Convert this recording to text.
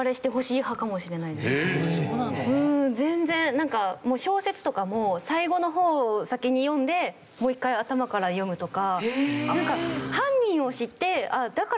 なんか小説とかも最後の方を先に読んでもう一回頭から読むとか。